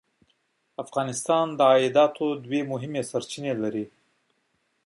افغانستان د عایداتو دوه مهمې سرچینې لري.